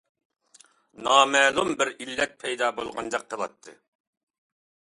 نامەلۇم بىر ئىللەت پەيدا بولغاندەك قىلاتتى.